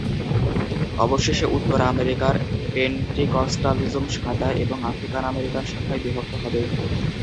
অবশেষে, উত্তর আমেরিকার পেন্টিকস্টালিজম সাদা এবং আফ্রিকান-আমেরিকান শাখায় বিভক্ত হবে।